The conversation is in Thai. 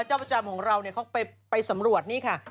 เจ้าประจำของเราเขาไปสำรวจนี่ค่ะ